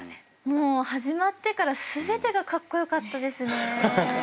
もう始まってから全てがカッコ良かったですね。